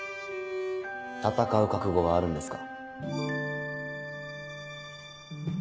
戦う覚悟はあるんですか？